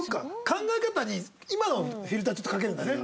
考え方に今のフィルターちょっとかけるんだね。